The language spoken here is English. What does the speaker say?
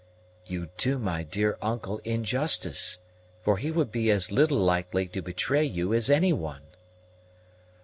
"You do my dear uncle injustice, for he would be as little likely to betray you as any one."